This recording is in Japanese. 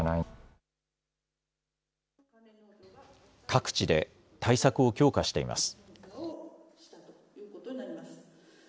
各地で対策を強化しています。